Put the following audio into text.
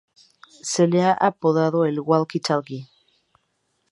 Se le ha apodado el "walkie-talkie".